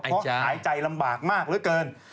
เพราะหายใจลำบากมากเหลือเกิน